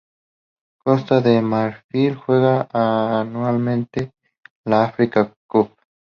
Costa de Marfil juega anualmente la Africa Cup.